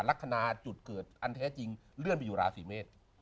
ลักษณะจุดเกิดอันแท้จริงเลื่อนไปอยู่ราศีเมษ